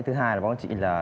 thứ hai là bác chị